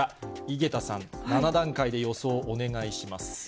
井桁さん、７段階で予想お願いします。